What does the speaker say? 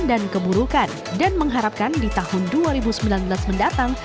dan keburukan dan mengharapkan di tahun dua ribu sembilan belas mendatang